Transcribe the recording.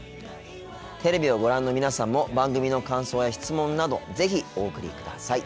テレビをご覧の皆さんも番組の感想や質問など是非お送りください。